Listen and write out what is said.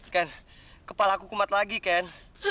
ken kepala aku kumat lagi ken